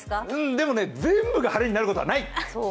全部が晴れになることはない！